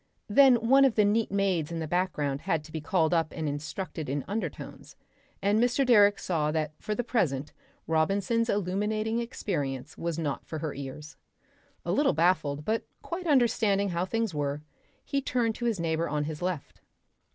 Then one of the neat maids in the background had to be called up and instructed in undertones, and Mr. Direck saw that for the present Robinson's illuminating experience was not for her ears. A little baffled, but quite understanding how things were, he turned to his neighbour on his left....